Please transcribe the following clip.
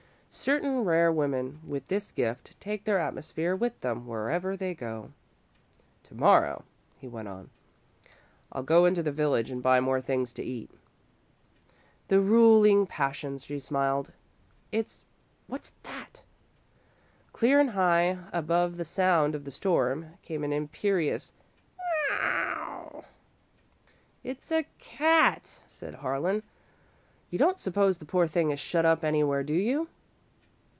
Certain rare women with this gift take their atmosphere with them wherever they go. "To morrow," he went on, "I'll go into the village and buy more things to eat." "The ruling passion," she smiled. "It's what's that!" Clear and high above the sound of the storm came an imperious "Me ow!" "It's a cat," said Harlan. "You don't suppose the poor thing is shut up anywhere, do you?"